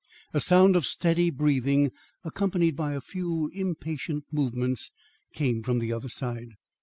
A sound of steady breathing, accompanied by a few impatient movements, came from the other side.